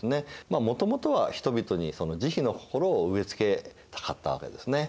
まあもともとは人々に慈悲の心を植え付けたかったわけですね。